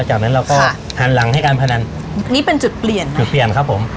จากนั้นเราก็หันหลังให้การพนันนี่เป็นจุดเปลี่ยนค่ะจุดเปลี่ยนครับผม